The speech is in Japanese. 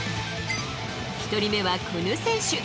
１人目はこの選手。